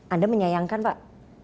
anda menyayangkan pak